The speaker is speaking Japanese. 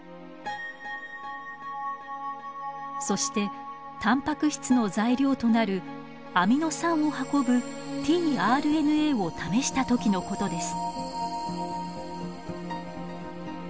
そしてタンパク質の材料となるアミノ酸を運ぶｔＲＮＡを試した時のことです。